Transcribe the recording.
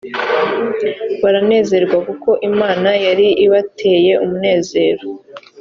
baranezerwa kuko imana yari ibateye umunezero